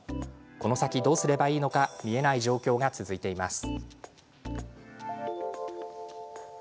この先どうすればいいのか見えない状況が続いています。